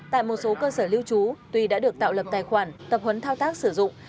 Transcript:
tại một số cơ sở lưu trú tuy đã được tạo lập tài khoản tập huấn thao tác sử dụng